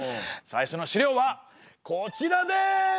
最初の資料はこちらです！